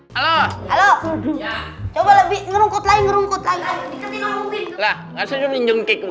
halo halo coba lebih ngerungkut lagi ngerungkut lagi